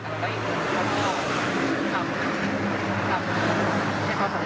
จับมือเราแล้วก็หลุดปากกันแล้วก็อีกหนึ่ง